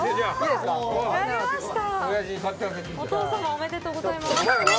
ありがとうございます。